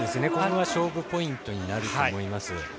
ここが勝負ポイントになると思います。